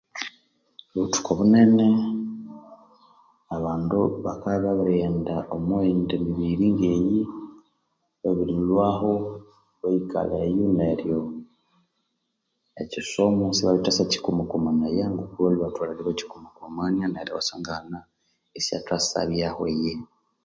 Obuthuku obunene abandu bakabya babirighenda omwa yindi mibiri ngeyi babirilhwahu bayikalha eyo neryo ekyi somo sibarithasakyikwamakwamanaya ngoku balhwe batholere ibakyikwamakwamania neryo iwa sangana isyathabyaho eyihi